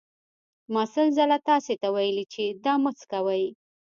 ما سل ځله تاسې ته ویلي چې دا مه څکوئ.